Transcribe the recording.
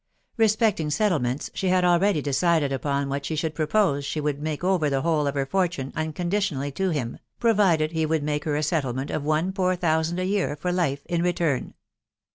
Respecting settlements, she had already decided upon what she should propose .... she would make over the whole of her fortune unconditionally to him, provided he would make her a settlement of one poor thousand a year for life in return.